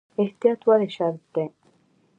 احتیاط ولې شرط دی؟